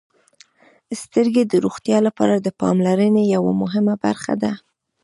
• سترګې د روغتیا لپاره د پاملرنې یوه مهمه برخه ده.